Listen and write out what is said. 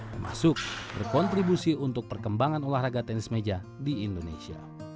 termasuk berkontribusi untuk perkembangan olahraga tenis meja di indonesia